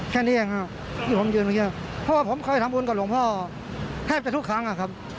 แค่นี้เองครับที่ผมยืนเมื่อกี้เพราะว่าผมเคยทำบุญกับหลวงพ่อแทบจะทุกครั้งอะครับ